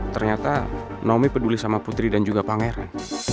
ternyata nomi peduli sama putri dan juga pangeran